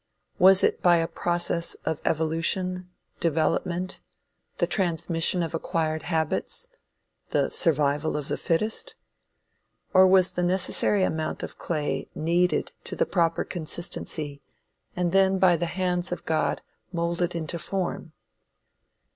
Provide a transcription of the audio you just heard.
Was it by a process of "evolution," "development;" the "transmission of acquired habits;" the "survival of the fittest," or was the necessary amount of clay kneaded to the proper consistency, and then by the hands of God moulded into form?